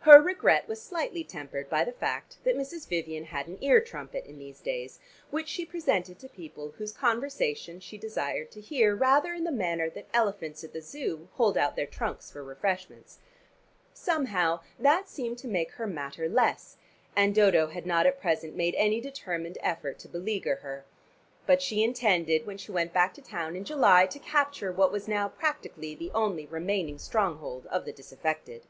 Her regret was slightly tempered by the fact that Mrs. Vivian had an ear trumpet in these days, which she presented to people whose conversation she desired to hear rather in the manner that elephants at the Zoo hold out their trunks for refreshments. Somehow that seemed to make her matter less, and Dodo had not at present made any determined effort to beleaguer her. But she intended when she went back to town in July to capture what was now practically the only remaining stronghold of the disaffected.